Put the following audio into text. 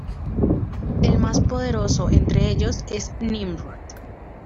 El más poderoso entre ellos es Nimrod.